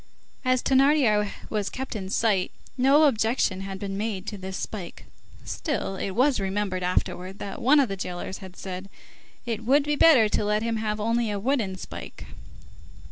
As Thénardier was kept in sight, no objection had been made to this spike. Still, it was remembered afterwards, that one of the jailers had said: "It would be better to let him have only a wooden spike."